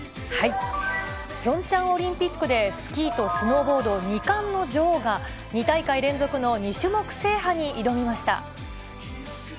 ピョンチャンオリンピックでスキーとスノーボード２冠の女王が、２大会連続の２種目制覇に挑みました。